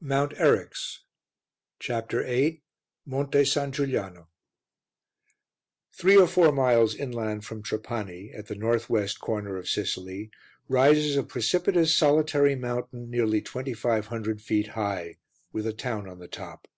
MOUNT ERYX CHAPTER VIII MONTE SAN GIULIANO Three or four miles inland from Trapani, at the north west corner of Sicily, rises a precipitous solitary mountain, nearly 2500 feet high, with a town on the top.